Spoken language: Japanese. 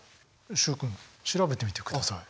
習君調べてみてください。